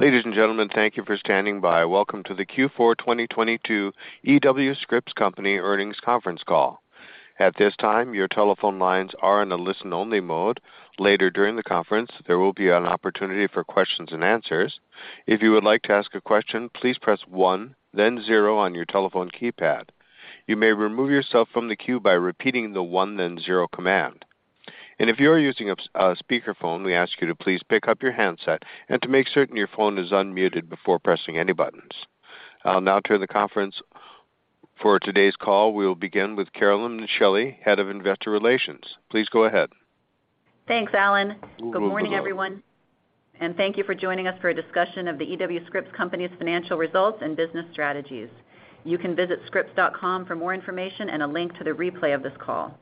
Ladies and gentlemen, thank you for standing by. Welcome to the Q4 2022 The E.W. Scripps Company Earnings Conference Call. At this time, your telephone lines are in a listen-only mode. Later during the conference, there will be an opportunity for questions and answers. If you would like to ask a question, please press one, then zero on your telephone keypad. You may remove yourself from the queue by repeating the one, then zero command. If you are using a speakerphone, we ask you to please pick up your handset and to make certain your phone is unmuted before pressing any buttons. I'll now turn the conference. For today's call, we'll begin with Carolyn Micheli, head of Investor Relations. Please go ahead. Thanks, Alan. Good morning, everyone, and thank you for joining us for a discussion of The E.W. Scripps Company's financial results and business strategies. You can visit scripps.com for more information and a link to the replay of this call.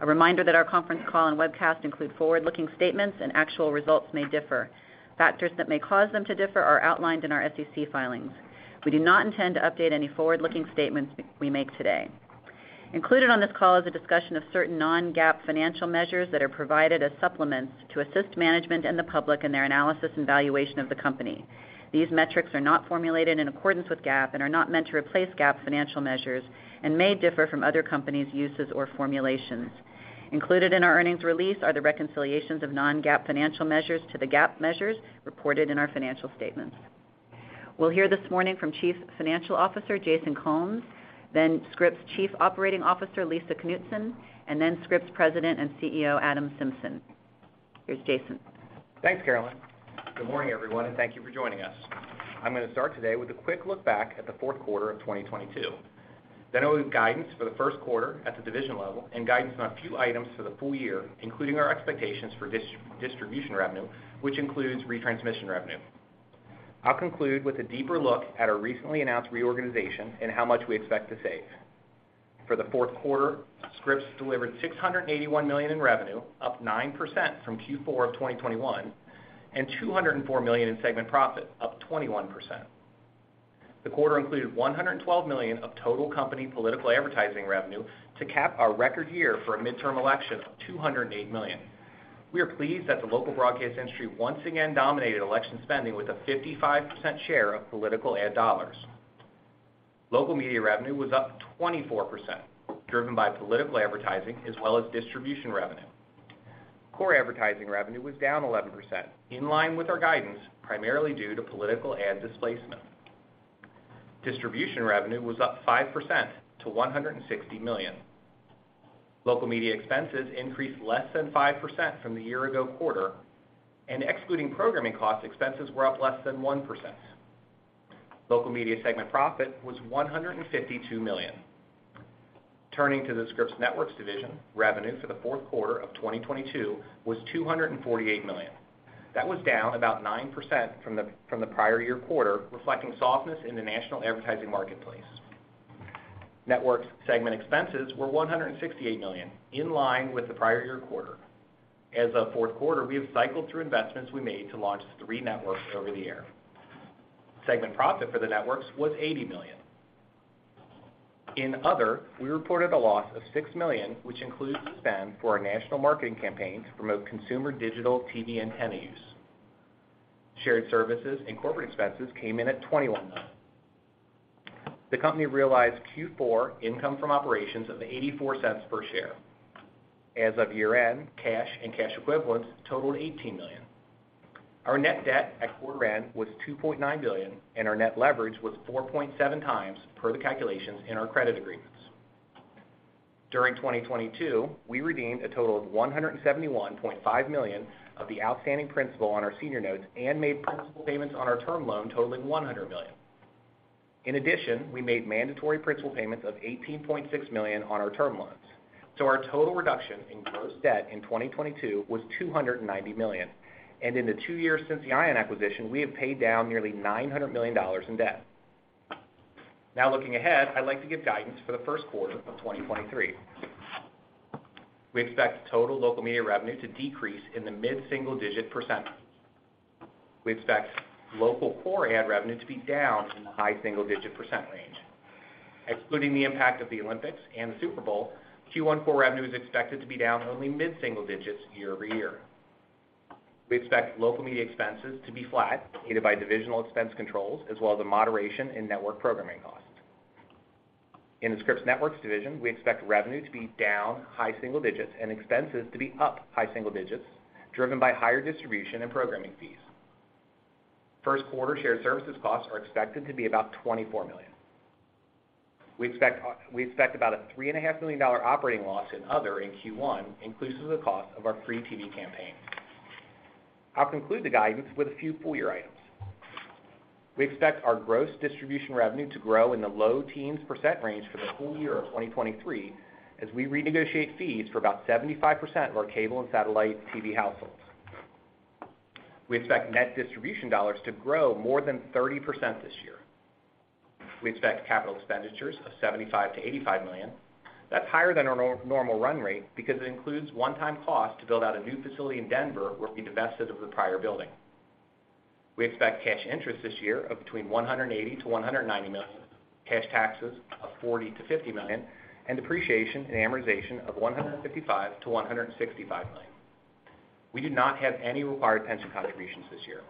A reminder that our conference call and webcast include forward-looking statements and actual results may differ. Factors that may cause them to differ are outlined in our SEC filings. We do not intend to update any forward-looking statements we make today. Included on this call is a discussion of certain non-GAAP financial measures that are provided as supplements to assist management and the public in their analysis and valuation of the company. These metrics are not formulated in accordance with GAAP and are not meant to replace GAAP financial measures and may differ from other companies' uses or formulations. Included in our earnings release are the reconciliations of non-GAAP financial measures to the GAAP measures reported in our financial statements. We'll hear this morning from Chief Financial Officer Jason Combs, then Scripps Chief Operating Officer Lisa Knutson, and then Scripps President and CEO Adam Symson. Here's Jason. Thanks, Carolyn. Good morning, everyone, thank you for joining us. I'm gonna start today with a quick look back at the fourth quarter of 2022. I'll give guidance for the first quarter at the division level and guidance on a few items for the full year, including our expectations for distribution revenue, which includes retransmission revenue. I'll conclude with a deeper look at our recently announced reorganization and how much we expect to save. For the fourth quarter, Scripps delivered $681 million in revenue, up 9% from Q4 of 2021, and $204 million in segment profit, up 21%. The quarter included $112 million of total company political advertising revenue to cap our record year for a midterm election of $208 million. We are pleased that the local broadcast industry once again dominated election spending with a 55% share of political ad dollars. Local media revenue was up 24%, driven by political advertising as well as distribution revenue. Core advertising revenue was down 11%, in line with our guidance, primarily due to political ad displacement. Distribution revenue was up 5% to $160 million. Local media expenses increased less than 5% from the year ago quarter. Excluding programming costs, expenses were up less than 1%. Local media segment profit was $152 million. Turning to the Scripps Networks Division, revenue for the fourth quarter of 2022 was $248 million. That was down about 9% from the prior year quarter, reflecting softness in the national advertising marketplace. Networks segment expenses were $168 million, in line with the prior year quarter. As of fourth quarter, we have cycled through investments we made to launch three networks over the air. Segment profit for the networks was $80 million. In other, we reported a loss of $6 million, which includes the spend for our national marketing campaign to promote consumer digital TV antenna use. Shared services and corporate expenses came in at $21 million. The company realized Q4 income from operations of $0.84 per share. As of year-end, cash and cash equivalents totaled $18 million. Our net debt at quarter end was $2.9 billion, and our net leverage was 4.7x per the calculations in our credit agreements. During 2022, we redeemed a total of $171.5 million of the outstanding principal on our senior notes and made principal payments on our term loan totaling $100 million. We made mandatory principal payments of $18.6 million on our term loans. Our total reduction in gross debt in 2022 was $290 million. In the two years since the ION acquisition, we have paid down nearly $900 million in debt. Looking ahead, I'd like to give guidance for the first quarter of 2023. We expect total local media revenue to decrease in the mid-single digit %. We expect local core ad revenue to be down in the high single-digit % range. Excluding the impact of the Olympics and the Super Bowl, Q1 core revenue is expected to be down only mid-single digits year-over-year. We expect local media expenses to be flat, aided by divisional expense controls as well as a moderation in network programming costs. In the Scripps Networks Division, we expect revenue to be down high single digits and expenses to be up high single digits, driven by higher distribution and programming fees. First quarter shared services costs are expected to be about $24 million. We expect about a $3.5 Million operating loss in other in Q1, inclusive of the cost of our free TV campaign. I'll conclude the guidance with a few full year items. We expect our gross distribution revenue to grow in the low teens % range for the full year of 2023, as we renegotiate fees for about 75% of our cable and satellite TV households. We expect net distribution dollars to grow more than 30% this year. We expect CapEx of $75 million-$85 million. That's higher than our normal run rate because it includes one-time cost to build out a new facility in Denver, where we divested of the prior building. We expect cash interest this year of between $180 million-$190 million. Cash taxes of $40 million-$50 million, and depreciation and amortization of $155 million-$165 million. We do not have any required pension contributions this year.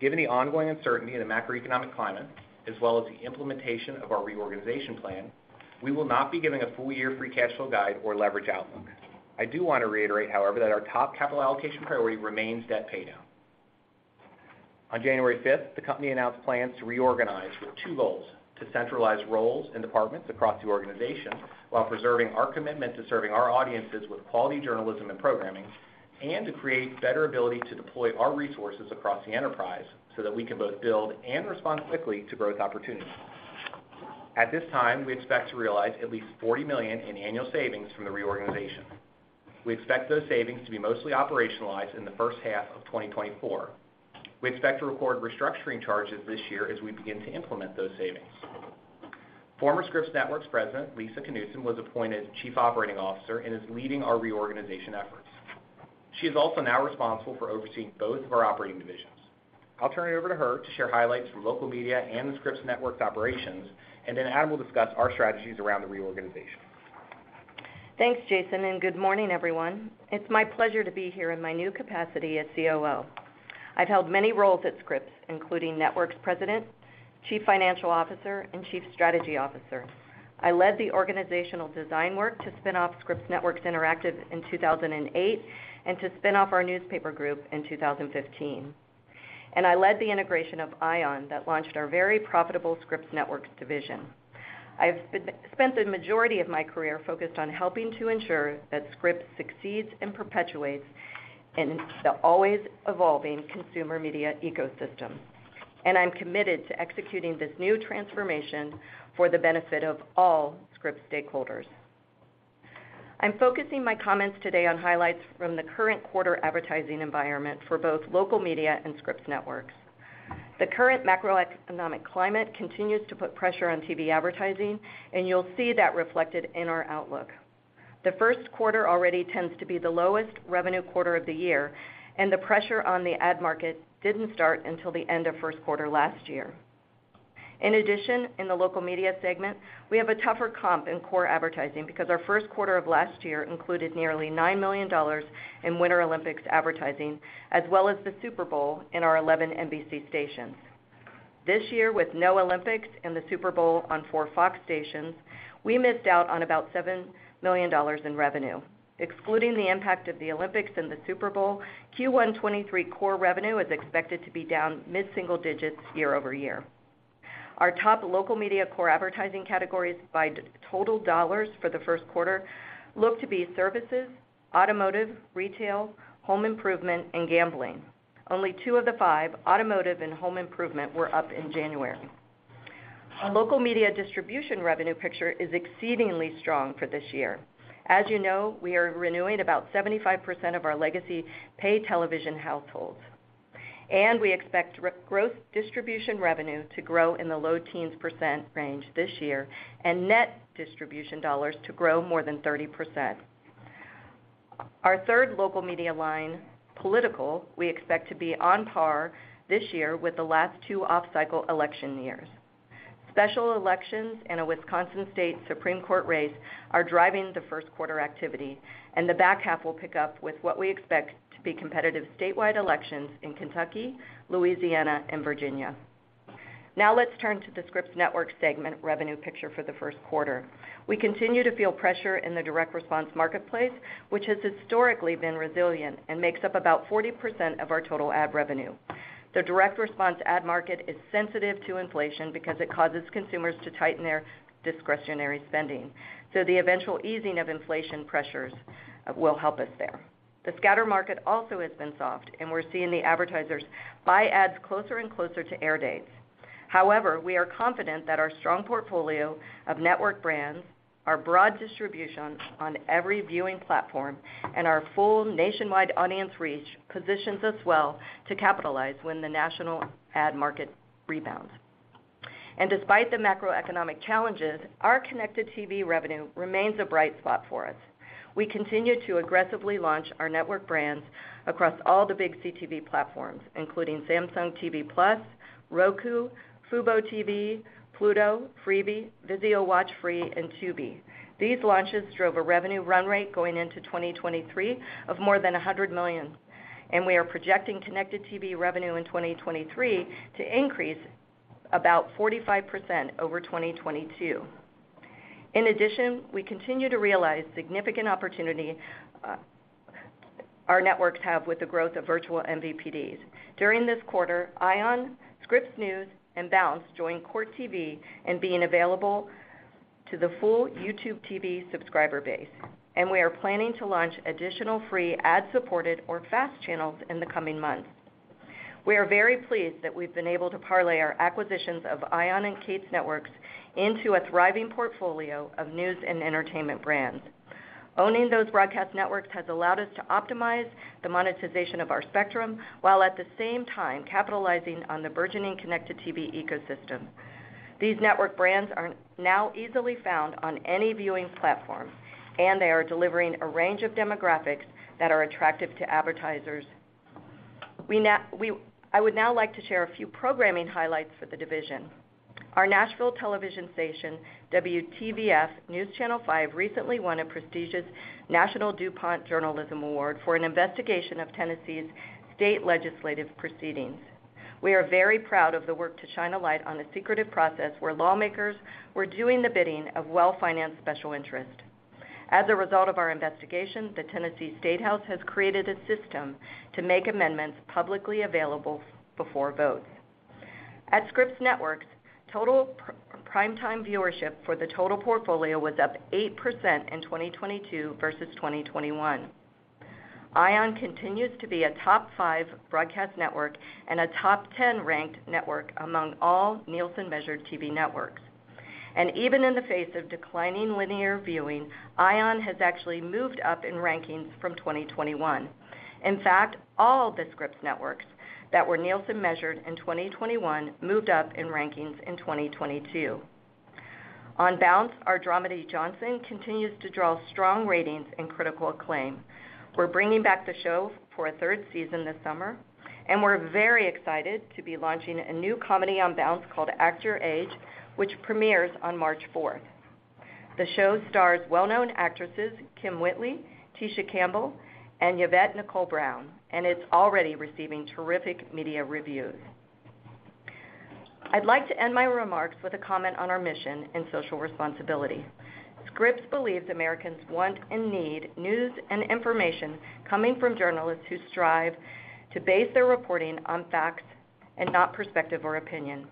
Given the ongoing uncertainty in the macroeconomic climate, as well as the implementation of our reorganization plan, we will not be giving a full year free cash flow guide or leverage outlook. I do want to reiterate, however, that our top capital allocation priority remains debt paydown. On January fifth, the company announced plans to reorganize with two goals, to centralize roles and departments across the organization while preserving our commitment to serving our audiences with quality journalism and programming, and to create better ability to deploy our resources across the enterprise so that we can both build and respond quickly to growth opportunities. At this time, we expect to realize at least $40 million in annual savings from the reorganization. We expect those savings to be mostly operationalized in the first half of 2024. We expect to record restructuring charges this year as we begin to implement those savings. Former Scripps Networks President Lisa Knutson was appointed Chief Operating Officer and is leading our reorganization efforts. She is also now responsible for overseeing both of our operating divisions. I'll turn it over to her to share highlights from local media and the Scripps Networks operations, and then Adam will discuss our strategies around the reorganization. Thanks, Jason. Good morning, everyone. It's my pleasure to be here in my new capacity as COO. I've held many roles at Scripps, including Networks President, Chief Financial Officer, and Chief Strategy Officer. I led the organizational design work to spin off Scripps Networks Interactive in 2008 and to spin off our newspaper group in 2015. I led the integration of ION that launched our very profitable Scripps Networks division. I've spent the majority of my career focused on helping to ensure that Scripps succeeds and perpetuates in the always evolving consumer media ecosystem, and I'm committed to executing this new transformation for the benefit of all Scripps stakeholders. I'm focusing my comments today on highlights from the current quarter advertising environment for both local media and Scripps Networks. The current macroeconomic climate continues to put pressure on TV advertising. You'll see that reflected in our outlook. The first quarter already tends to be the lowest revenue quarter of the year. The pressure on the ad market didn't start until the end of first quarter last year. In addition, in the local media segment, we have a tougher comp in core advertising because our first quarter of last year included nearly $9 million in Winter Olympics advertising as well as the Super Bowl in our 11 NBC stations. This year, with no Olympics and the Super Bowl on four Fox stations, we missed out on about $7 million in revenue. Excluding the impact of the Olympics and the Super Bowl, Q1 '23 core revenue is expected to be down mid-single digits year-over-year. Our top local media core advertising categories by $ total dollars for the first quarter look to be services, automotive, retail, home improvement and gambling. Only two of the five, automotive and home improvement, were up in January. Our local media distribution revenue picture is exceedingly strong for this year. As you know, we are renewing about 75% of our legacy pay television households, and we expect growth distribution revenue to grow in the low teens % range this year and net distribution dollars to grow more than 30%. Our third local media line, political, we expect to be on par this year with the last two off-cycle election years. Special elections in a Wisconsin Supreme Court race are driving the first quarter activity, and the back half will pick up with what we expect to be competitive statewide elections in Kentucky, Louisiana, and Virginia. Now let's turn to the Scripps Networks segment revenue picture for the first quarter. We continue to feel pressure in the direct response marketplace, which has historically been resilient and makes up about 40% of our total ad revenue. The direct response ad market is sensitive to inflation because it causes consumers to tighten their discretionary spending, so the eventual easing of inflation pressures will help us there. The scatter market also has been soft and we're seeing the advertisers buy ads closer and closer to air dates. However, we are confident that our strong portfolio of network brands, our broad distribution on every viewing platform, and our full nationwide audience reach positions us well to capitalize when the national ad market rebounds. Despite the macroeconomic challenges, our connected TV revenue remains a bright spot for us. We continue to aggressively launch our network brands across all the big CTV platforms, including Samsung TV Plus, Roku, fuboTV, Pluto, Freevee, VIZIO WatchFree+, and Tubi. These launches drove a revenue run rate going into 2023 of more than $100 million, and we are projecting connected TV revenue in 2023 to increase about 45% over 2022. In addition, we continue to realize significant opportunity our networks have with the growth of virtual MVPDs. During this quarter, ION, Scripps News, and Bounce joined Court TV in being available to the full YouTube TV subscriber base, and we are planning to launch additional free ad-supported or FAST channels in the coming months. We are very pleased that we've been able to parlay our acquisitions of ION and Katz Networks into a thriving portfolio of news and entertainment brands. Owning those broadcast networks has allowed us to optimize the monetization of our spectrum, while at the same time capitalizing on the burgeoning connected TV ecosystem. These network brands are now easily found on any viewing platform, and they are delivering a range of demographics that are attractive to advertisers. I would now like to share a few programming highlights for the division. Our Nashville television station, WTVF NewsChannel 5, recently won a prestigious National DuPont Journalism Award for an investigation of Tennessee's state legislative proceedings. We are very proud of the work to shine a light on the secretive process where lawmakers were doing the bidding of well-financed special interest. As a result of our investigation, the Tennessee State House has created a system to make amendments publicly available before votes. At Scripps Networks, total prime time viewership for the total portfolio was up 8% in 2022 versus 2021. ION continues to be a top five broadcast network and a top 10 ranked network among all Nielsen measured TV networks. Even in the face of declining linear viewing, ION has actually moved up in rankings from 2021. In fact, all of the Scripps Networks that were Nielsen measured in 2021 moved up in rankings in 2022. On Bounce, our dramedy Johnson continues to draw strong ratings and critical acclaim. We're bringing back the show for a third season this summer, and we're very excited to be launching a new comedy on Bounce called Act Your Age, which premieres on March 4. The show stars well-known actresses Kym Whitley, Tisha Campbell, and Yvette Nicole Brown, and it's already receiving terrific media reviews. I'd like to end my remarks with a comment on our mission and social responsibility. Scripps believes Americans want and need news and information coming from journalists who strive to base their reporting on facts and not perspective or opinion.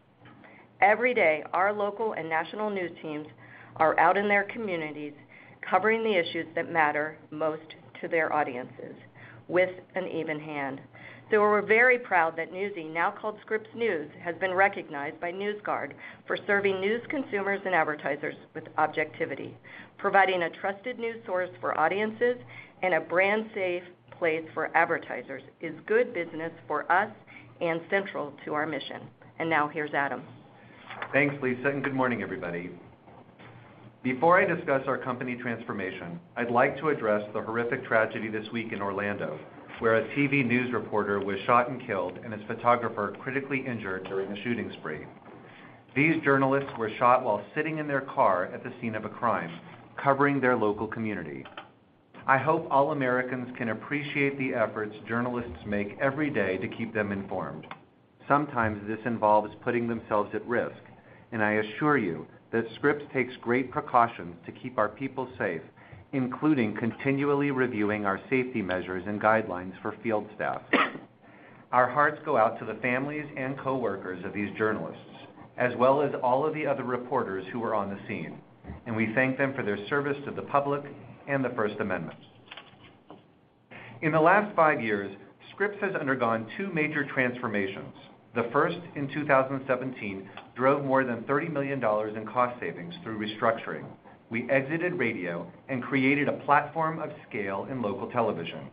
Every day, our local and national news teams are out in their communities, covering the issues that matter most to their audiences with an even hand. We're very proud that Newsy, now called Scripps News, has been recognized by NewsGuard for serving news consumers and advertisers with objectivity. Providing a trusted news source for audiences and a brand safe place for advertisers is good business for us and central to our mission. Now here's Adam. Thanks, Lisa. Good morning, everybody. Before I discuss our company transformation, I'd like to address the horrific tragedy this week in Orlando, where a TV news reporter was shot and killed and his photographer critically injured during a shooting spree. These journalists were shot while sitting in their car at the scene of a crime, covering their local community. I hope all Americans can appreciate the efforts journalists make every day to keep them informed. Sometimes this involves putting themselves at risk. I assure you that Scripps takes great precautions to keep our people safe, including continually reviewing our safety measures and guidelines for field staff. Our hearts go out to the families and coworkers of these journalists, as well as all of the other reporters who are on the scene. We thank them for their service to the public and the First Amendment. In the last five years, Scripps has undergone two major transformations. The first, in 2017, drove more than $30 million in cost savings through restructuring. We exited radio and created a platform of scale in local television.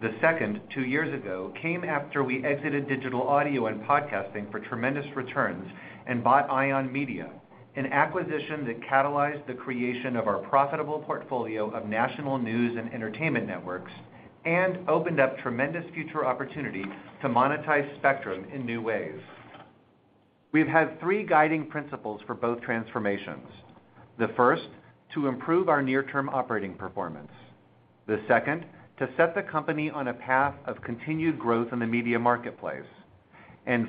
The second, two years ago, came after we exited digital audio and podcasting for tremendous returns and bought ION Media, an acquisition that catalyzed the creation of our profitable portfolio of national news and entertainment networks and opened up tremendous future opportunity to monetize spectrum in new ways. We've had three guiding principles for both transformations. The first, to improve our near-term operating performance. The second, to set the company on a path of continued growth in the media marketplace.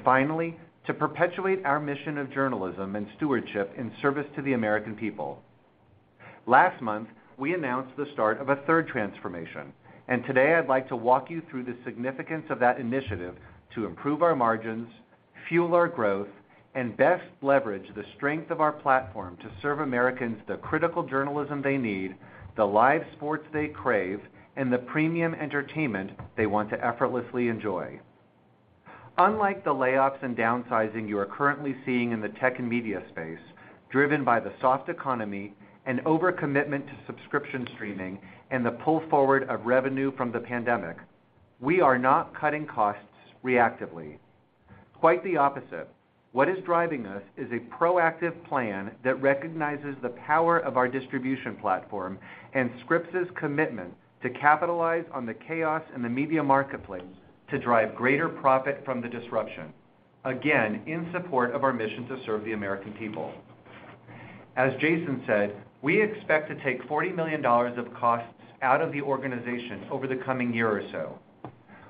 Finally, to perpetuate our mission of journalism and stewardship in service to the American people. Last month, we announced the start of a third transformation, and today I'd like to walk you through the significance of that initiative to improve our margins, fuel our growth, and best leverage the strength of our platform to serve Americans the critical journalism they need, the live sports they crave, and the premium entertainment they want to effortlessly enjoy. Unlike the layoffs and downsizing you are currently seeing in the tech and media space, driven by the soft economy and overcommitment to subscription streaming and the pull forward of revenue from the pandemic, we are not cutting costs reactively. Quite the opposite. What is driving us is a proactive plan that recognizes the power of our distribution platform and Scripps's commitment to capitalize on the chaos in the media marketplace to drive greater profit from the disruption, again, in support of our mission to serve the American people. As Jason said, we expect to take $40 million of costs out of the organization over the coming year or so.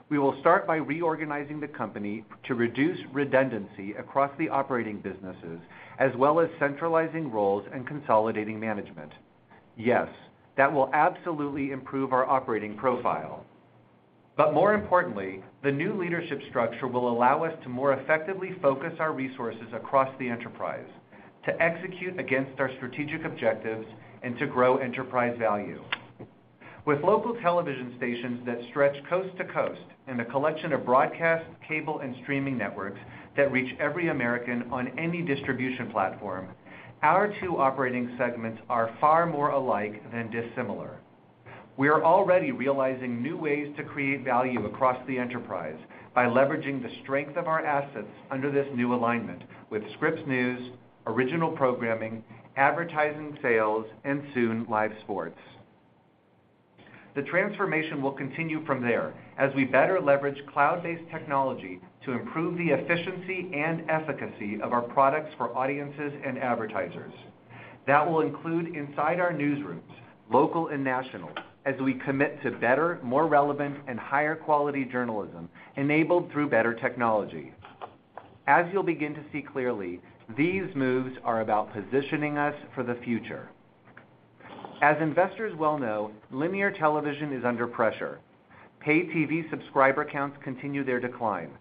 We will start by reorganizing the company to reduce redundancy across the operating businesses, as well as centralizing roles and consolidating management. Yes, that will absolutely improve our operating profile. More importantly, the new leadership structure will allow us to more effectively focus our resources across the enterprise to execute against our strategic objectives and to grow enterprise value. With local television stations that stretch coast to coast and a collection of broadcast, cable, and streaming networks that reach every American on any distribution platform, our two operating segments are far more alike than dissimilar. We are already realizing new ways to create value across the enterprise by leveraging the strength of our assets under this new alignment with Scripps News, original programming, advertising sales, and soon, live sports. The transformation will continue from there as we better leverage cloud-based technology to improve the efficiency and efficacy of our products for audiences and advertisers. That will include inside our newsrooms, local and national, as we commit to better, more relevant and higher quality journalism enabled through better technology. As you'll begin to see clearly, these moves are about positioning us for the future. As investors well know, linear television is under pressure. Pay TV subscriber counts continue their decline.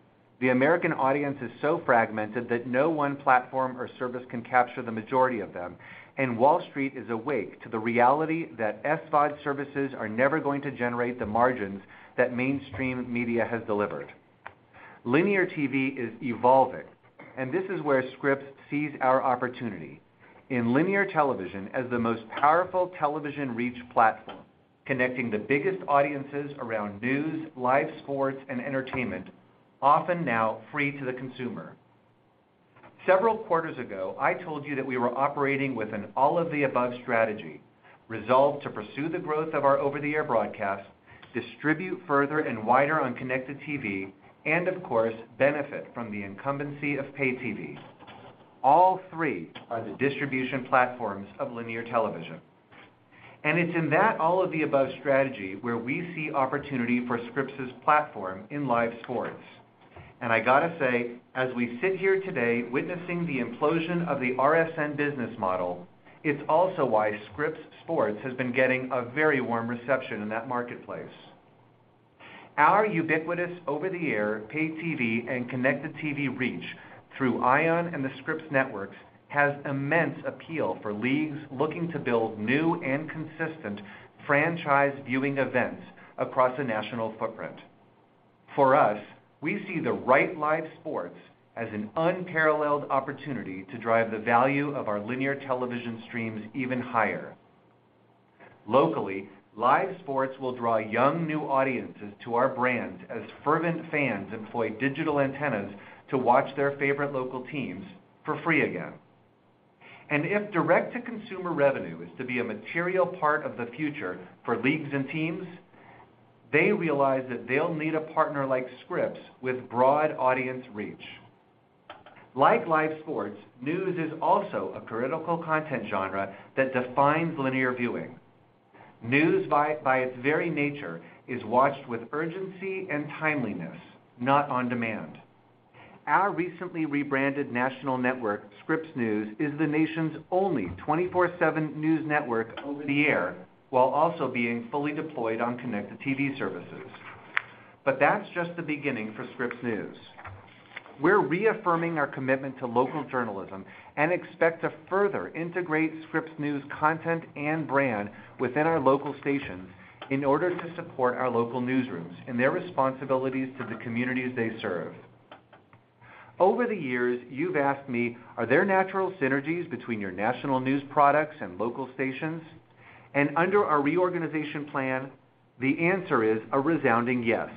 The American audience is so fragmented that no one platform or service can capture the majority of them. Wall Street is awake to the reality that SVOD services are never going to generate the margins that mainstream media has delivered. Linear TV is evolving, and this is where Scripps sees our opportunity in linear television as the most powerful television reach platform, connecting the biggest audiences around news, live sports, and entertainment, often now free to the consumer. Several quarters ago, I told you that we were operating with an all-of-the-above strategy, resolved to pursue the growth of our over-the-air broadcast, distribute further and wider on connected TV, and of course, benefit from the incumbency of Pay TV. All three are the distribution platforms of linear television, and it's in that all-of-the-above strategy where we see opportunity for Scripps' platform in live sports. I gotta say, as we sit here today witnessing the implosion of the RSN business model, it's also why Scripps Sports has been getting a very warm reception in that marketplace. Our ubiquitous over-the-air Pay TV and connected TV reach through ION and the Scripps Networks has immense appeal for leagues looking to build new and consistent franchise viewing events across a national footprint. For us, we see the right live sports as an unparalleled opportunity to drive the value of our linear television streams even higher. Locally, live sports will draw young new audiences to our brands as fervent fans employ digital antennas to watch their favorite local teams for free again. If direct-to-consumer revenue is to be a material part of the future for leagues and teams, they realize that they'll need a partner like Scripps with broad audience reach. Like live sports, news is also a critical content genre that defines linear viewing. News by its very nature is watched with urgency and timeliness, not on demand. Our recently rebranded national network, Scripps News, is the nation's only 24/7 news network over-the-air, while also being fully deployed on connected TV services. That's just the beginning for Scripps News. We're reaffirming our commitment to local journalism and expect to further integrate Scripps News content and brand within our local stations in order to support our local newsrooms and their responsibilities to the communities they serve. Over the years, you've asked me, "Are there natural synergies between your national news products and local stations?" Under our reorganization plan, the answer is a resounding yes,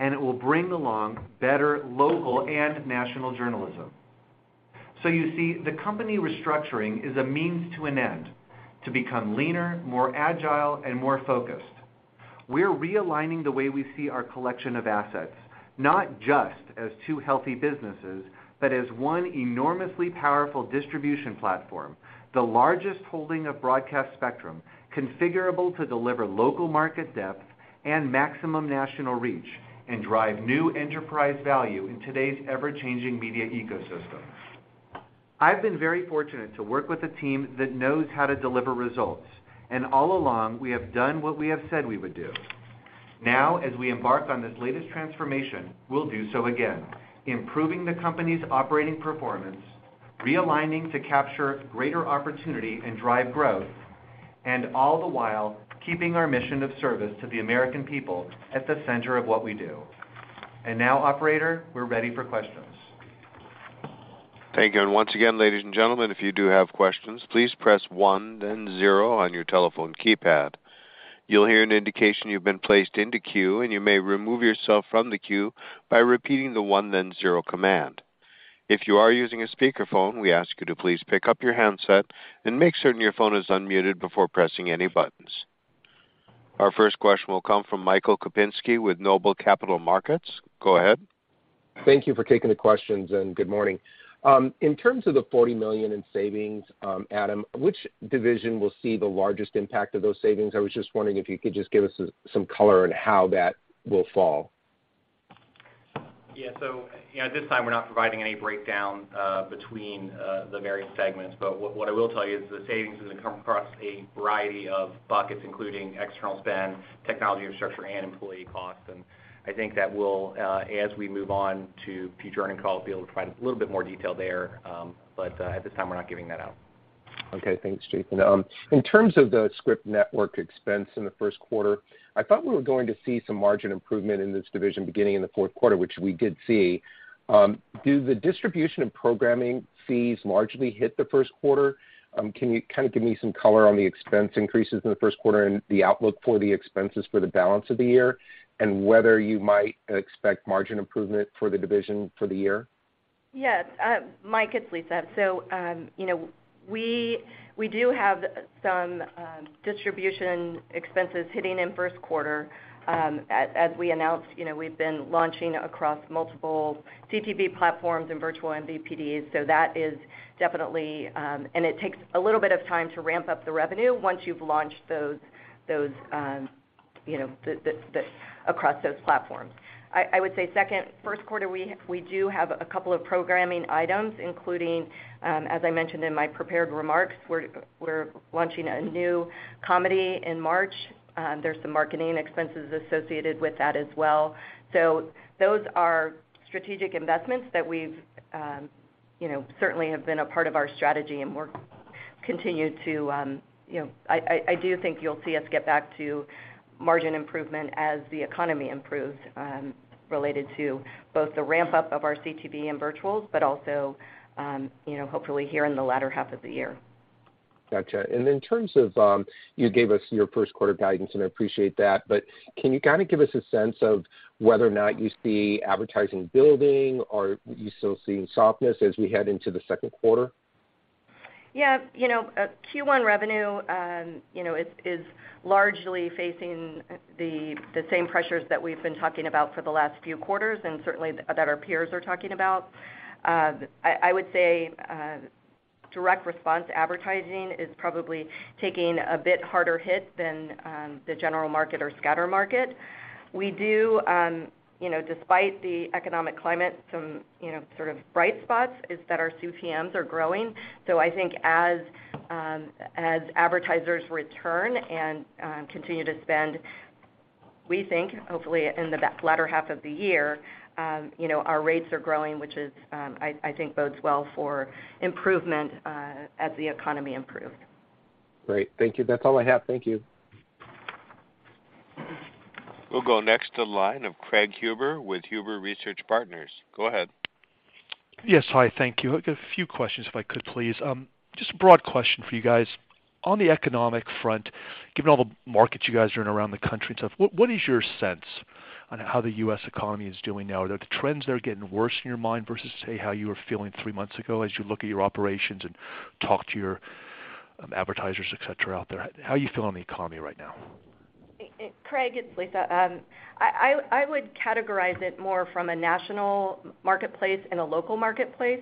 and it will bring along better local and national journalism. You see, the company restructuring is a means to an end to become leaner, more agile and more focused. We're realigning the way we see our collection of assets, not just as two healthy businesses, but as one enormously powerful distribution platform, the largest holding of broadcast spectrum configurable to deliver local market depth and maximum national reach, and drive new enterprise value in today's ever-changing media ecosystem. I've been very fortunate to work with a team that knows how to deliver results, and all along we have done what we have said we would do. Now, as we embark on this latest transformation, we'll do so again, improving the company's operating performance, realigning to capture greater opportunity and drive growth, and all the while keeping our mission of service to the American people at the center of what we do. Now, operator, we're ready for questions. Thank you. Once again, ladies and gentlemen, if you do have questions, please press 1 then 0 on your telephone keypad. You'll hear an indication you've been placed into queue, and you may remove yourself from the queue by repeating the one then zero command. If you are using a speakerphone, we ask you to please pick up your handset and make certain your phone is unmuted before pressing any buttons. Our first question will come from Michael Kupinski with Noble Capital Markets. Go ahead. Thank you for taking the questions and good morning. In terms of the $40 million in savings, Adam, which division will see the largest impact of those savings? I was just wondering if you could just give us some color on how that will fall. Yeah. At this time, we're not providing any breakdown between the various segments. What I will tell you is the savings is gonna come across a variety of buckets, including external spend, technology, infrastructure and employee costs. I think that will, as we move on to future earnings calls, be able to provide a little bit more detail there. At this time we're not giving that out. Thanks, Jason. In terms of the Scripps Networks expense in the first quarter, I thought we were going to see some margin improvement in this division beginning in the fourth quarter, which we did see. Do the distribution and programming fees largely hit the first quarter? Can you kinda give me some color on the expense increases in the first quarter and the outlook for the expenses for the balance of the year, and whether you might expect margin improvement for the division for the year? Yes. Mike, it's Lisa. You know, we do have some distribution expenses hitting in first quarter. As we announced, you know, we've been launching across multiple CTV platforms and virtual MVPDs. It takes a little bit of time to ramp up the revenue once you've launched those across those platforms. I would say first quarter, we do have a couple of programming items, including, as I mentioned in my prepared remarks, we're launching a new comedy in March. There's some marketing expenses associated with that as well. Those are strategic investments that we've, you know, certainly have been a part of our strategy, and we're continue to, you know. I do think you'll see us get back to margin improvement as the economy improves, related to both the ramp-up of our CTV and virtuals, but also, you know, hopefully here in the latter half of the year. Gotcha. In terms of, you gave us your first quarter guidance, and I appreciate that, but can you kinda give us a sense of whether or not you see advertising building, or are you still seeing softness as we head into the second quarter? Yeah. You know, Q1 revenue, you know, is largely facing the same pressures that we've been talking about for the last few quarters and certainly that our peers are talking about. I would say direct response advertising is probably taking a bit harder hit than the general market or scatter market. We do, you know, despite the economic climate, some, you know, sort of bright spots is that our CPMs are growing. I think as advertisers return and continue to spend, we think, hopefully in the latter half of the year, you know, our rates are growing, which is, I think bodes well for improvement as the economy improves. Great. Thank you. That's all I have. Thank you. We'll go next to the line of Craig Huber with Huber Research Partners. Go ahead. Yes. Hi. Thank you. I've got a few questions if I could, please. Just a broad question for you guys. On the economic front, given all the markets you guys are in around the country and stuff, what is your sense on how the U.S. economy is doing now? Are the trends there getting worse in your mind versus, say, how you were feeling three months ago as you look at your operations and talk to your advertisers, et cetera, out there? How are you feeling on the economy right now? Craig, it's Lisa. I would categorize it more from a national marketplace and a local marketplace.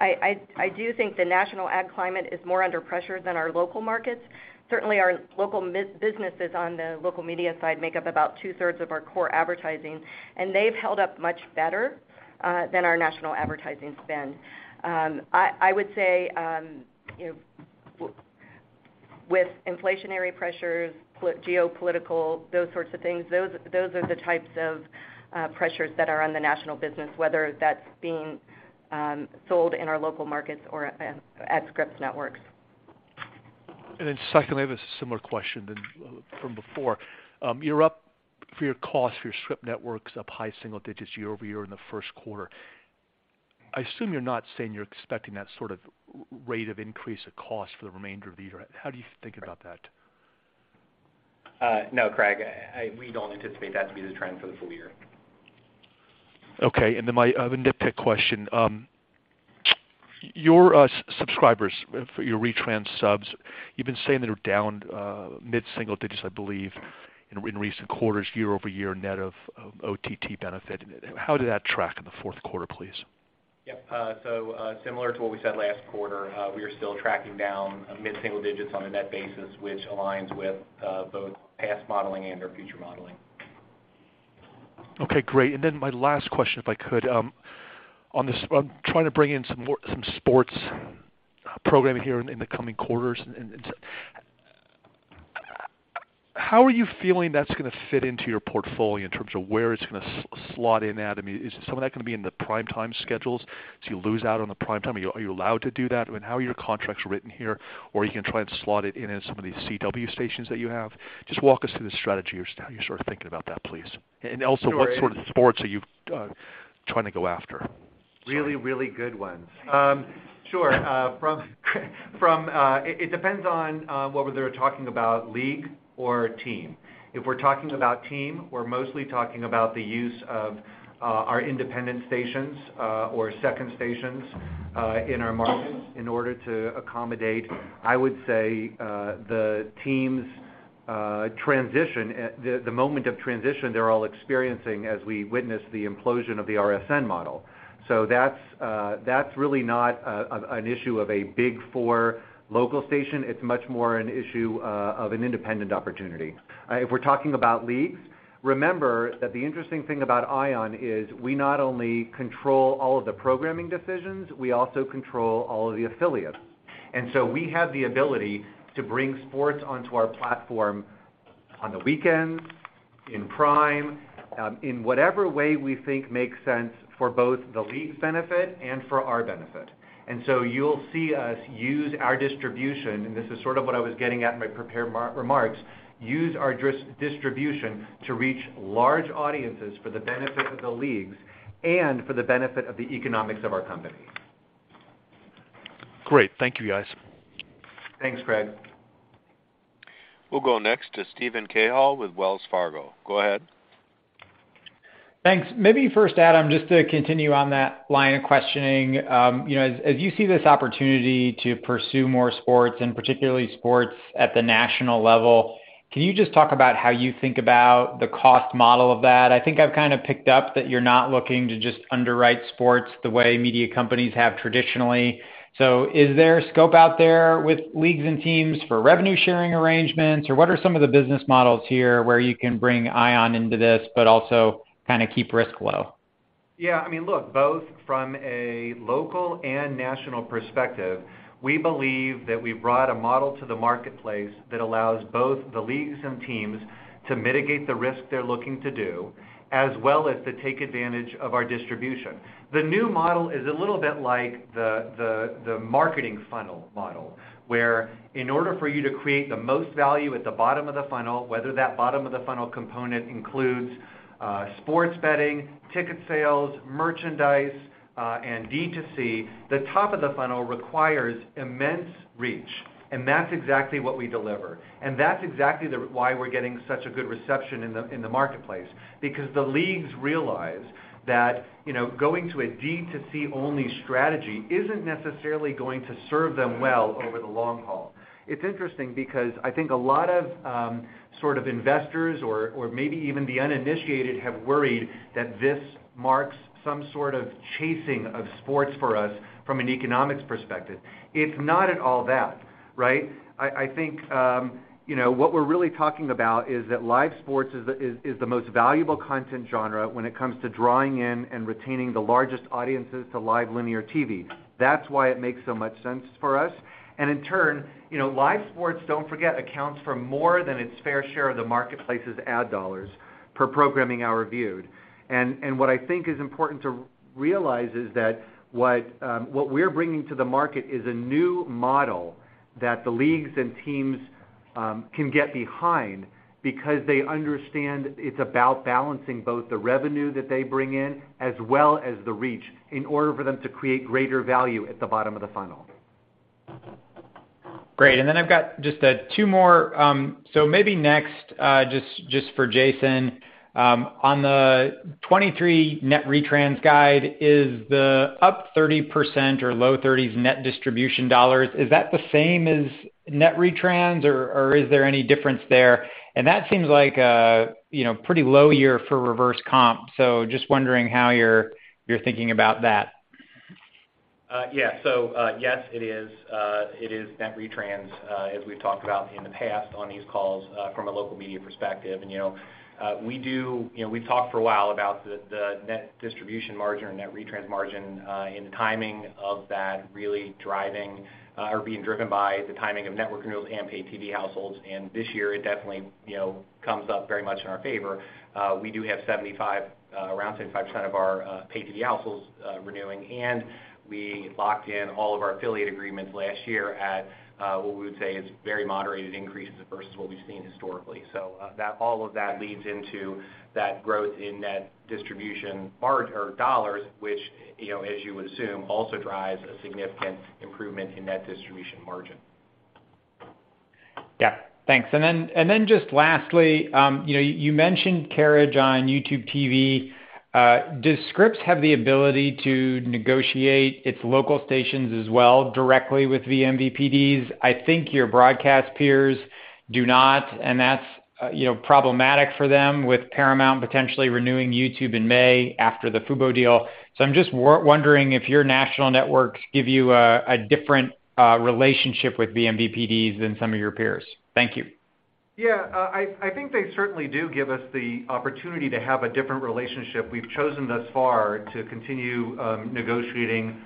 I do think the national ad climate is more under pressure than our local markets. Certainly, our local businesses on the local media side make up about two-thirds of our core advertising, and they've held up much better than our national advertising spend. I would say, you know, with inflationary pressures, geopolitical, those sorts of things, those are the types of pressures that are on the national business, whether that's being sold in our local markets or at Scripps Networks. Secondly, I have a similar question than from before. You're up for your cost, for your Scripps Networks up high single digits year-over-year in the first quarter. I assume you're not saying you're expecting that sort of rate of increase of cost for the remainder of the year. How do you think about that? No, Craig. We don't anticipate that to be the trend for the full year. Okay. My other nitpick question. Your subscribers, for your retrans subs, you've been saying they're down mid-single digits, I believe, in recent quarters, year-over-year, net of OTT benefit. How did that track in the fourth quarter, please? Similar to what we said last quarter, we are still tracking down mid-single digits on a net basis, which aligns with both past modeling and our future modeling. Okay, great. My last question, if I could. On this, I'm trying to bring in some sports programming here in the coming quarters. How are you feeling that's gonna fit into your portfolio in terms of where it's gonna slot in at? I mean, is some of that gonna be in the prime time schedules? You lose out on the prime time? Are you allowed to do that? I mean, how are your contracts written here? Or are you gonna try and slot it in at some of these The CW stations that you have? Just walk us through the strategy, or how you're sort of thinking about that, please. Also, what sort of sports are you trying to go after? Really, really good ones. Sure. It depends on whether they're talking about league or team. If we're talking about team, we're mostly talking about the use of our independent stations, or second stations, in our markets in order to accommodate, I would say, the team's transition, the moment of transition they're all experiencing as we witness the implosion of the RSN model. That's really not an issue of a big four local station. It's much more an issue of an independent opportunity. If we're talking about leagues, remember that the interesting thing about ION is we not only control all of the programming decisions, we also control all of the affiliates. We have the ability to bring sports onto our platform on the weekends, in prime, in whatever way we think makes sense for both the league's benefit and for our benefit. You'll see us use our distribution, and this is sort of what I was getting at in my prepared remarks, use our distribution to reach large audiences for the benefit of the leagues and for the benefit of the economics of our company. Great. Thank you, guys. Thanks, Greg. We'll go next to Steven Cahall with Wells Fargo. Go ahead. Thanks. Maybe first, Adam, just to continue on that line of questioning. You know, as you see this opportunity to pursue more sports and particularly sports at the national level, can you just talk about how you think about the cost model of that? I think I've kinda picked up that you're not looking to just underwrite sports the way media companies have traditionally. Is there scope out there with leagues and teams for revenue sharing arrangements, or what are some of the business models here where you can bring ION into this but also kinda keep risk low? Yeah. I mean, look, both from a local and national perspective, we believe that we've brought a model to the marketplace that allows both the leagues and teams to mitigate the risk they're looking to do, as well as to take advantage of our distribution. The new model is a little bit like the marketing funnel model, where in order for you to create the most value at the bottom of the funnel, whether that bottom of the funnel component includes sports betting, ticket sales, merchandise, and D2C, the top of the funnel requires immense reach. That's exactly what we deliver. That's exactly why we're getting such a good reception in the marketplace because the leagues realize that, you know, going to a D2C-only strategy isn't necessarily going to serve them well over the long haul. It's interesting because I think a lot of, sort of investors or maybe even the uninitiated have worried that this marks some sort of chasing of sports for us from an economics perspective. It's not at all that, right? I think, you know, what we're really talking about is that live sports is the most valuable content genre when it comes to drawing in and retaining the largest audiences to live linear TV. That's why it makes so much sense for us. In turn, you know, live sports, don't forget, accounts for more than its fair share of the marketplace's ad dollars per programming hour viewed. What I think is important to realize is that what we're bringing to the market is a new model that the leagues and teams can get behind because they understand it's about balancing both the revenue that they bring in as well as the reach in order for them to create greater value at the bottom of the funnel. Great. I've got just two more. Maybe next, just for Jason. On the 2023 net retrans guide, is the up 30% or low 30s net distribution dollars, is that the same as net retrans, or is there any difference there? That seems like a, you know, pretty low year for reverse comp, so just wondering how you're thinking about that. Yeah. Yes, it is net retrans, as we've talked about in the past on these calls, from a local media perspective. You know, we've talked for a while about the net distribution margin or net retrans margin, and the timing of that really driving or being driven by the timing of network renewals and paid TV households. This year, it definitely, you know, comes up very much in our favor. We do have 75%, around 75% of our paid TV households renewing, and we locked in all of our affiliate agreements last year at what we would say is very moderated increase versus what we've seen historically. All of that leads into that growth in net distribution or dollars, which, you know, as you would assume, also drives a significant improvement in net distribution margin. Yeah. Thanks. Just lastly, you know, you mentioned carriage on YouTube TV. Does Scripps have the ability to negotiate its local stations as well directly with vMVPDs? I think your broadcast peers do not, and that's, you know, problematic for them with Paramount potentially renewing YouTube in May after the Fubo deal. I'm just wondering if your national networks give you a different relationship with vMVPDs than some of your peers. Thank you. I think they certainly do give us the opportunity to have a different relationship. We've chosen thus far to continue negotiating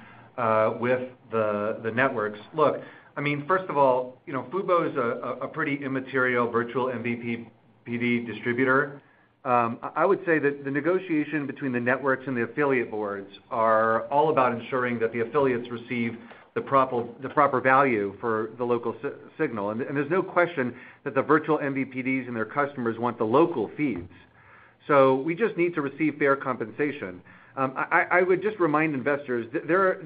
with the networks. Look, I mean, first of all, you know, Fubo is a pretty immaterial virtual MVPD distributor. I would say that the negotiation between the networks and the affiliate boards are all about ensuring that the affiliates receive the proper value for the local signal. There's no question that the virtual MVPDs and their customers want the local feeds. We just need to receive fair compensation. I would just remind investors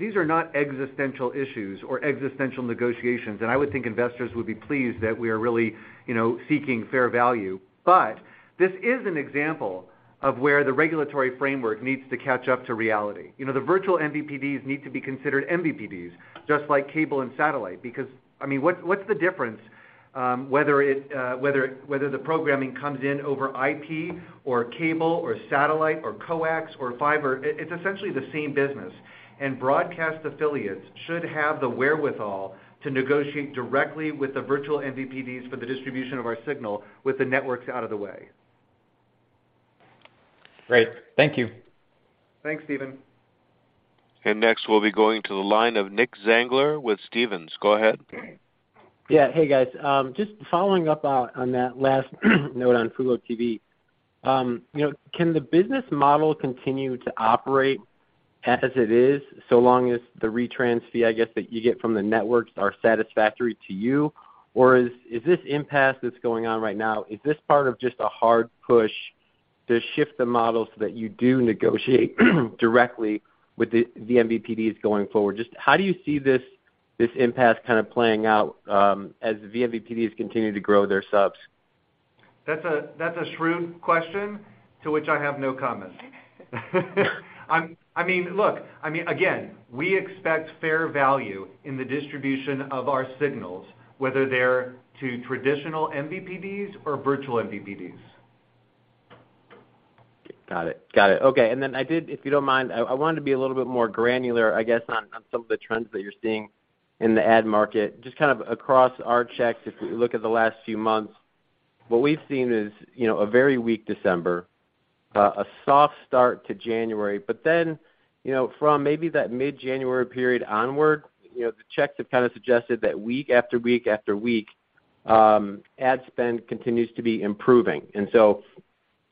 these are not existential issues or existential negotiations, and I would think investors would be pleased that we are really, you know, seeking fair value. This is an example of where the regulatory framework needs to catch up to reality. You know, the virtual MVPDs need to be considered MVPDs just like cable and satellite because, I mean, what's the difference whether the programming comes in over IP or cable or satellite or coax or fiber? It's essentially the same business. Broadcast affiliates should have the wherewithal to negotiate directly with the virtual MVPDs for the distribution of our signal with the networks out of the way. Great. Thank you. Thanks, Steven. Next, we'll be going to the line of Nick Zangler with Stephens. Go ahead. Yeah. Hey, guys. Just following up on that last note on FuboTV. You know, can the business model continue to operate as it is so long as the retrans fee, I guess, that you get from the networks are satisfactory to you? Is this impasse that's going on right now, is this part of just a hard push to shift the models that you do negotiate directly with the vMVPDs going forward? Just how do you see this impasse kind of playing out, as vMVPDs continue to grow their subs? That's a shrewd question to which I have no comment. I mean, look, I mean, again, we expect fair value in the distribution of our signals, whether they're to traditional MVPDs or virtual MVPDs. Got it. Got it. Okay. If you don't mind, I wanted to be a little bit more granular, I guess, on some of the trends that you're seeing in the ad market. Just kind of across our checks, if we look at the last few months, what we've seen is, you know, a very weak December, a soft start to January. You know, from maybe that mid-January period onward, you know, the checks have kind of suggested that week after week after week, ad spend continues to be improving.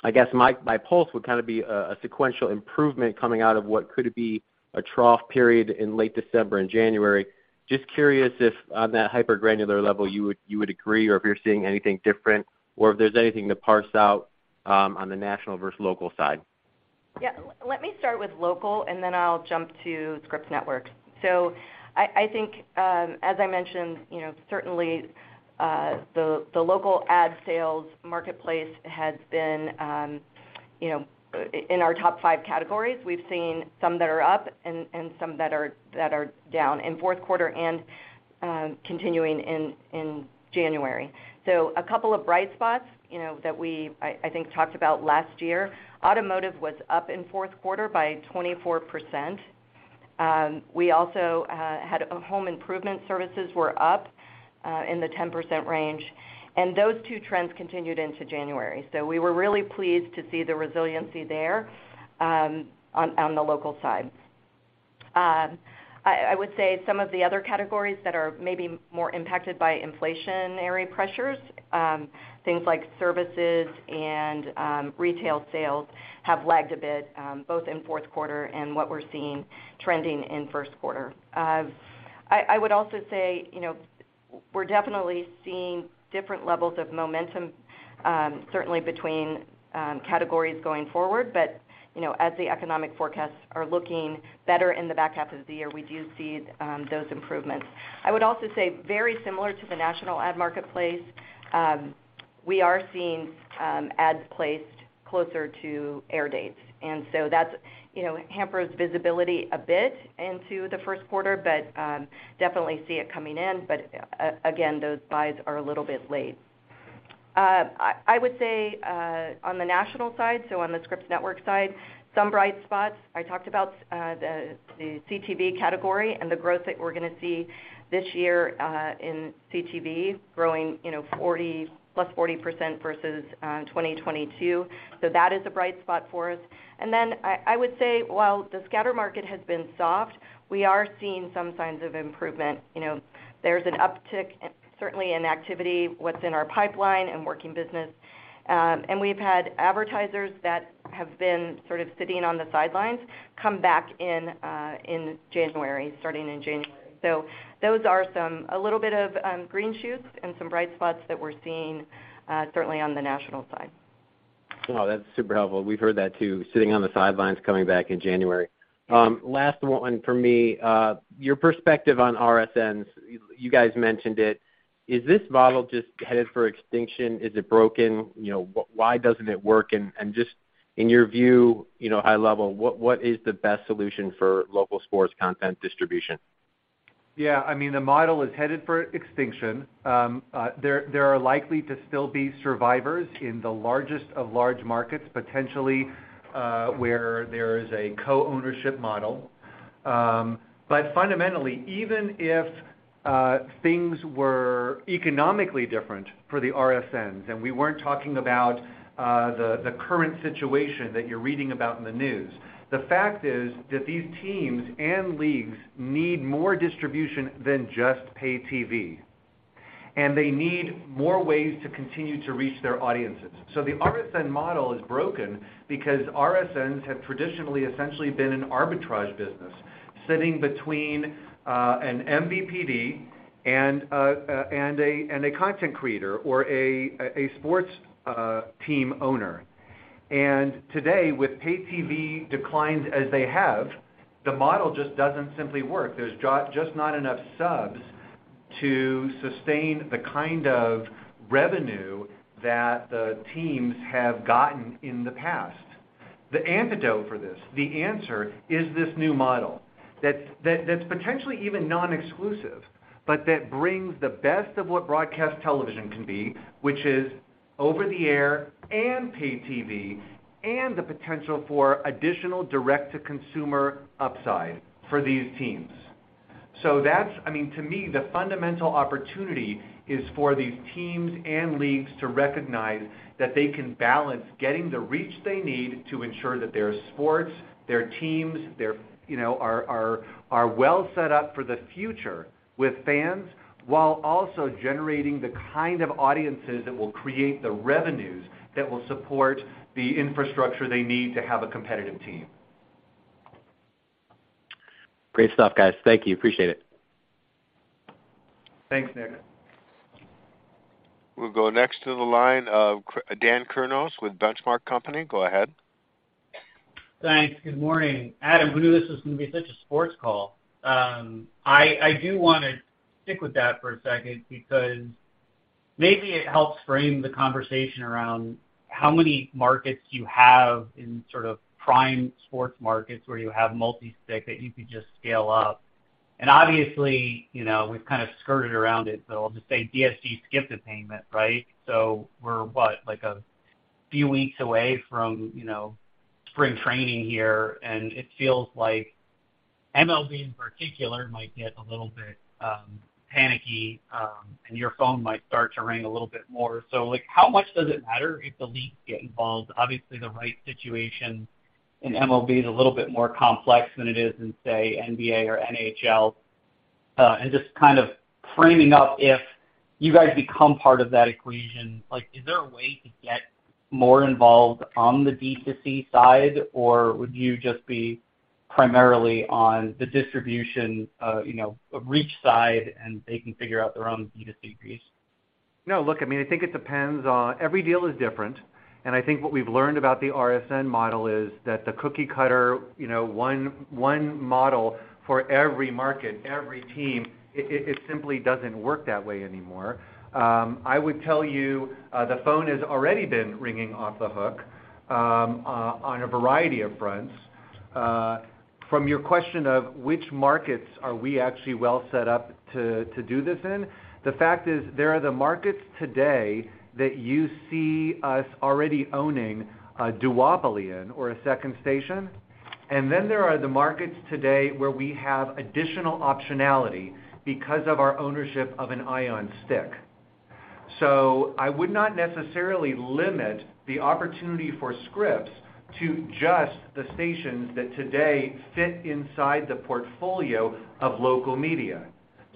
I guess my pulse would kind of be a sequential improvement coming out of what could be a trough period in late December and January. Just curious if on that hyper-granular level, you would agree or if you're seeing anything different or if there's anything to parse out on the national versus local side. Let me start with local, and then I'll jump to Scripps Network. I think, as I mentioned, you know, certainly, the local ad sales marketplace has been, in our top five categories, we've seen some that are up and some that are down in fourth quarter and continuing in January. A couple of bright spots, you know, that we, I think talked about last year, automotive was up in fourth quarter by 24%. We also had home improvement services were up in the 10% range. Those two trends continued into January. We were really pleased to see the resiliency there on the local side. I would say some of the other categories that are maybe more impacted by inflationary pressures, things like services and retail sales have lagged a bit, both in fourth quarter and what we're seeing trending in first quarter. I would also say, you know, we're definitely seeing different levels of momentum, certainly between categories going forward. You know, as the economic forecasts are looking better in the back half of the year, we do see those improvements. I would also say very similar to the national ad marketplace, we are seeing ads placed closer to air dates. That's, you know, hampers visibility a bit into the first quarter, but definitely see it coming in. Again, those buys are a little bit late. I would say on the national side, so on the Scripps Networks side, some bright spots. I talked about the CTV category and the growth that we're gonna see this year, in CTV growing, you know, +40% versus 2022. That is a bright spot for us. I would say, while the scatter market has been soft, we are seeing some signs of improvement. You know, there's an uptick certainly in activity, what's in our pipeline and working business. We've had advertisers that have been sort of sitting on the sidelines come back in in January, starting in January. Those are some a little bit of green shoots and some bright spots that we're seeing certainly on the national side. Oh, that's super helpful. We've heard that too, sitting on the sidelines, coming back in January. Last one for me. Your perspective on RSNs, you guys mentioned it. Is this model just headed for extinction? Is it broken? You know, why doesn't it work? Just in your view, you know, high level, what is the best solution for local sports content distribution? Yeah, I mean, the model is headed for extinction. There are likely to still be survivors in the largest of large markets, potentially, where there is a co-ownership model. Fundamentally, even if things were economically different for the RSNs, and we weren't talking about the current situation that you're reading about in the news, the fact is that these teams and leagues need more distribution than just pay TV, and they need more ways to continue to reach their audiences. The RSN model is broken because RSNs have traditionally essentially been an arbitrage business, sitting between an MVPD and a content creator or a sports team owner. Today, with pay TV declines as they have, the model just doesn't simply work. There's just not enough subs to sustain the kind of revenue that the teams have gotten in the past. The antidote for this, the answer is this new model that's potentially even non-exclusive, but that brings the best of what broadcast television can be, which is over-the-air and pay TV and the potential for additional direct-to-consumer upside for these teams. I mean, to me, the fundamental opportunity is for these teams and leagues to recognize that they can balance getting the reach they need to ensure that their sports, their teams, their, you know, are well set up for the future with fans, while also generating the kind of audiences that will create the revenues that will support the infrastructure they need to have a competitive team. Great stuff, guys. Thank you. Appreciate it. Thanks, Nick. We'll go next to the line of Dan Kurnos with Benchmark Company. Go ahead. Thanks. Good morning. Adam, who knew this was gonna be such a sports call? I do wanna stick with that for a second because maybe it helps frame the conversation around how many markets you have in sort of prime sports markets where you have multi-stick that you could just scale up. Obviously, you know, we've kind of skirted around it, so I'll just say DSC skipped a payment, right? We're what? Like, a few weeks away from, you know, spring training here, and it feels like MLB in particular might get a little bit panicky and your phone might start to ring a little bit more. Like, how much does it matter if the leagues get involved? Obviously, the rights situation in MLB is a little bit more complex than it is in, say, NBA or NHL. Just kind of framing up if you guys become part of that equation, like, is there a way to get more involved on the D2C side, or would you just be primarily on the distribution, you know, reach side, and they can figure out their own D2C piece? No, look, I think it depends on... Every deal is different. I think what we've learned about the RSN model is that the cookie cutter, one model for every market, every team, it simply doesn't work that way anymore. I would tell you, the phone has already been ringing off the hook on a variety of fronts. From your question of which markets are we actually well set up to do this in? The fact is there are the markets today that you see us already owning a duopoly in or a second station. There are the markets today where we have additional optionality because of our ownership of an ION stick. I would not necessarily limit the opportunity for Scripps to just the stations that today fit inside the portfolio of local media.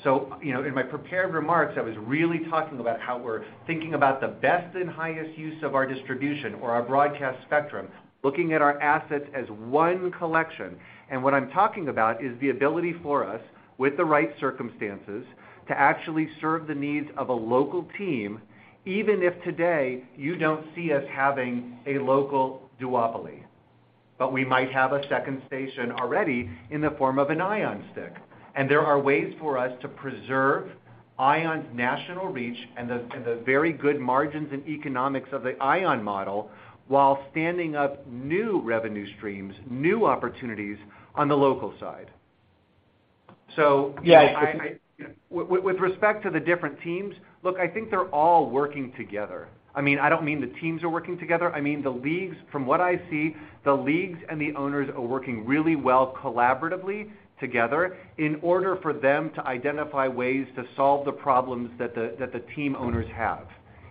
You know, in my prepared remarks, I was really talking about how we're thinking about the best and highest use of our distribution or our broadcast spectrum, looking at our assets as one collection. What I'm talking about is the ability for us, with the right circumstances, to actually serve the needs of a local team, even if today you don't see us having a local duopoly. We might have a second station already in the form of an ION stick, and there are ways for us to preserve ION's national reach and the very good margins and economics of the ION model while standing up new revenue streams, new opportunities on the local side. Yeah. I, with respect to the different teams, look, I think they're all working together. I mean, I don't mean the teams are working together. I mean, the leagues. From what I see, the leagues and the owners are working really well collaboratively together in order for them to identify ways to solve the problems that the team owners have.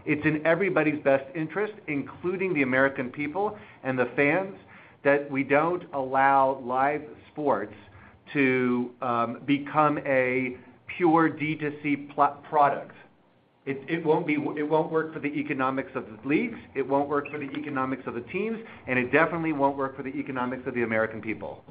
It's in everybody's best interest, including the American people and the fans, that we don't allow live sports to become a pure D2C product. It won't work for the economics of the leagues, it won't work for the economics of the teams, and it definitely won't work for the economics of the American people.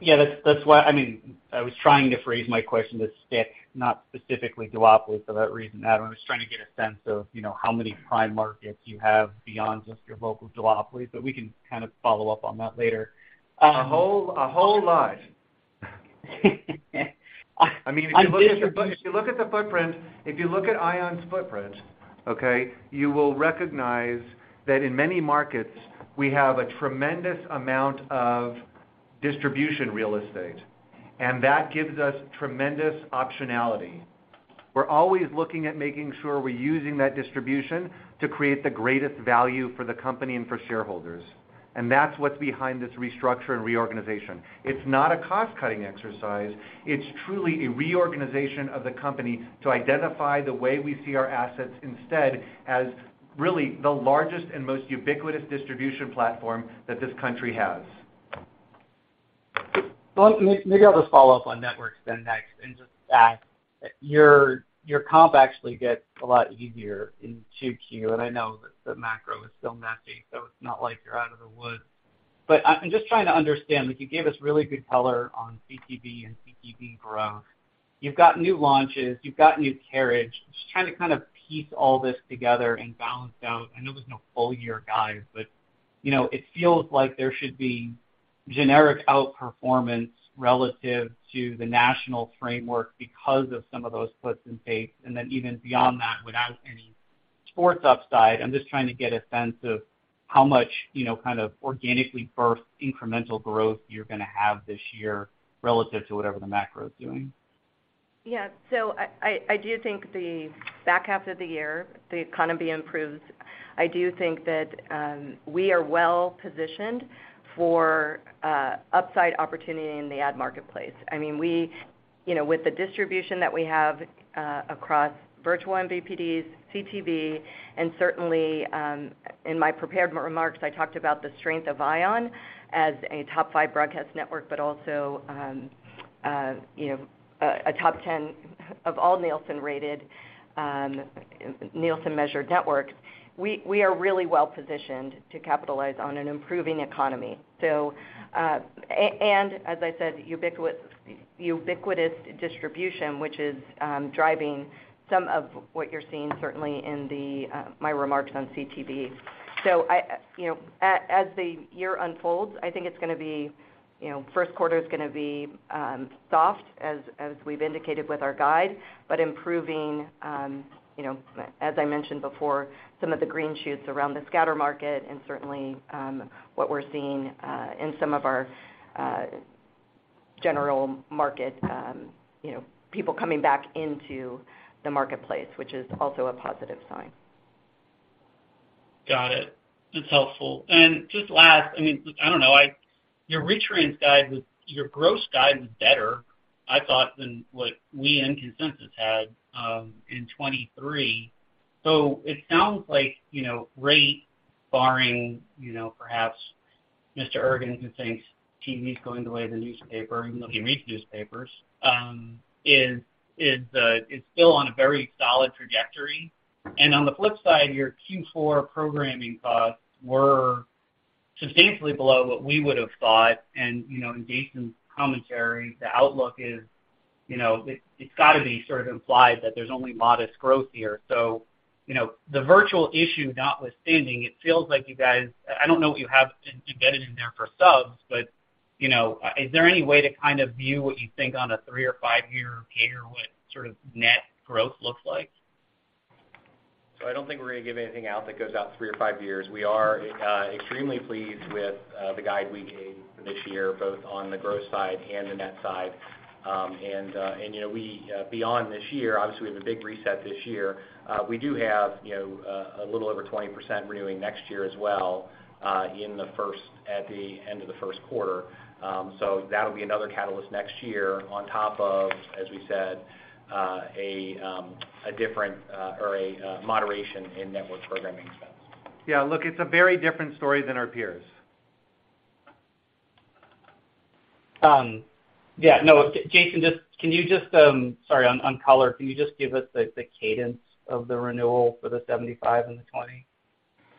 Yeah, that's why, I mean, I was trying to phrase my question to stick not specifically duopoly for that reason, Adam. I was trying to get a sense of, you know, how many prime markets you have beyond just your local duopoly, but we can kind of follow up on that later. A whole lot. I did- I mean, if you look at the footprint, if you look at ION's footprint, okay, you will recognize that in many markets, we have a tremendous amount of distribution real estate. That gives us tremendous optionality. We're always looking at making sure we're using that distribution to create the greatest value for the company and for shareholders. That's what's behind this restructure and reorganization. It's not a cost-cutting exercise. It's truly a reorganization of the company to identify the way we see our assets instead as really the largest and most ubiquitous distribution platform that this country has. Well, maybe I'll just follow up on networks then next and just ask. Your comp actually gets a lot easier in 2Q. I know that the macro is still messy, so it's not like you're out of the woods. I'm just trying to understand, like you gave us really good color on CTV and CTV growth. You've got new launches. You've got new carriage. Just trying to kind of piece all this together and balance out. I know there's no full year guide. You know, it feels like there should be generic outperformance relative to the national framework because of some of those puts in place. Even beyond that, without any sports upside, I'm just trying to get a sense of how much, you know, kind of organically burst incremental growth you're gonna have this year relative to whatever the macro is doing. Yeah. I do think the back half of the year, the economy improves. I do think that we are well positioned for upside opportunity in the ad marketplace. I mean, You know, with the distribution that we have across virtual MVPDs, CTV, and certainly, in my prepared remarks, I talked about the strength of ION as a top five broadcast network, but also, you know, a top 10 of all Nielsen-rated, Nielsen-measured networks. We are really well positioned to capitalize on an improving economy. And as I said, ubiquitous distribution, which is driving some of what you're seeing certainly in my remarks on CTV. I, you know, as the year unfolds, I think it's gonna be, you know, first quarter's gonna be soft, as we've indicated with our guide. Improving, you know, as I mentioned before, some of the green shoots around the scatter market and certainly, what we're seeing in some of our general market, you know, people coming back into the marketplace, which is also a positive sign. Got it. That's helpful. Just last, I mean, I don't know, your retrans guide was, your gross guide was better, I thought, than what we and consensus had in 2023. It sounds like, you know, rate barring, you know, perhaps Mr. Ergen, who thinks TV's going the way of the newspaper even though he reads newspapers, is still on a very solid trajectory. On the flip side, your Q4 programming costs were substantially below what we would have thought. You know, in Jason's commentary, the outlook is, you know, it's gotta be sort of implied that there's only modest growth here. You know, the virtual issue notwithstanding, it feels like you guys I don't know what you have embedded in there for subs, but, you know, is there any way to kind of view what you think on a three or five-year gauge what sort of net growth looks like? I don't think we're gonna give anything out that goes out three or five years. We are extremely pleased with the guide we gave for this year, both on the growth side and the net side. You know, we, beyond this year, obviously we have a big reset this year. We do have, you know, a little over 20% renewing next year as well, at the end of the first quarter. That'll be another catalyst next year on top of, as we said, a different or a moderation in network programming expense. Yeah. Look, it's a very different story than our peers. Yeah. No, Jason, can you just, sorry, on color, can you just give us the cadence of the renewal for the 75% and the 20%?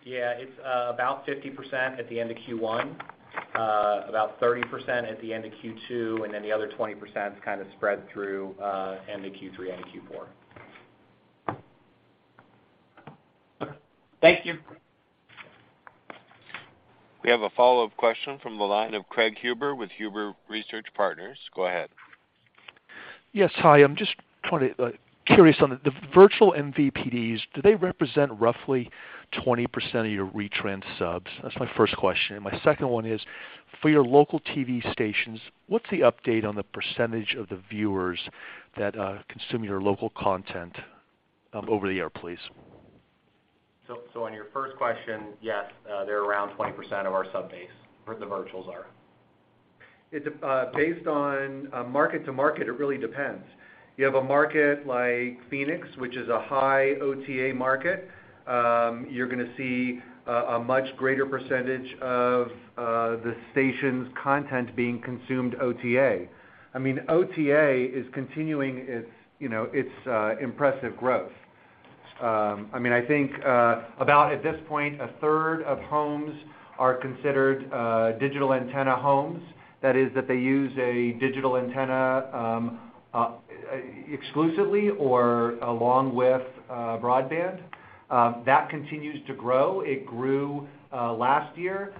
Yeah. It's about 50% at the end of Q1, about 30% at the end of Q2, and then the other 20%'s kinda spread through, end of Q3 and Q4. Thank you. We have a follow-up question from the line of Craig Huber with Huber Research Partners. Go ahead. Yes, hi. I'm just trying to, curious on the virtual MVPDs, do they represent roughly 20% of your retrans subs? That's my first question. My second one is, for your local TV stations, what's the update on the percentage of the viewers that consume your local content over the air, please? On your first question, yes, they're around 20% of our sub base where the virtuals are. It's based on market to market, it really depends. You have a market like Phoenix, which is a high OTA market, you're gonna see a much greater percentage of the station's content being consumed OTA. I mean, OTA is continuing its, you know, its impressive growth. I mean, I think about at this point, a third of homes are considered digital antenna homes. That is, that they use a digital antenna exclusively or along with broadband. That continues to grow. It grew last year.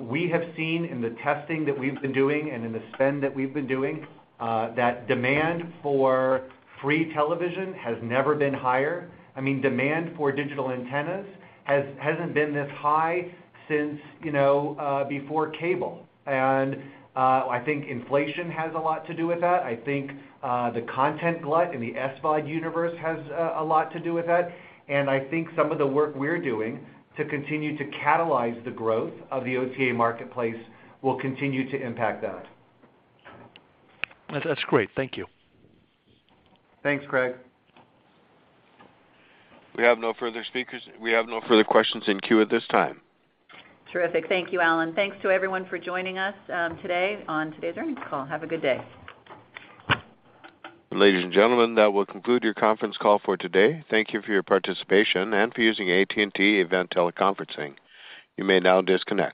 We have seen in the testing that we've been doing and in the spend that we've been doing that demand for free television has never been higher. I mean, demand for digital antennas hasn't been this high since, you know, before cable. I think inflation has a lot to do with that. I think the content glut in the SVOD universe has a lot to do with that. I think some of the work we're doing to continue to catalyze the growth of the OTA marketplace will continue to impact that. That's great. Thank you. Thanks, Craig. We have no further speakers. We have no further questions in queue at this time. Terrific. Thank you, Alan. Thanks to everyone for joining us today on today's earnings call. Have a good day. Ladies and gentlemen, that will conclude your conference call for today. Thank you for your participation and for using AT&T Event Teleconferencing. You may now disconnect.